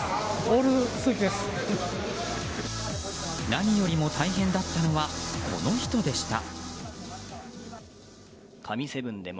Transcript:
何よりも大変だったのはこの人でした。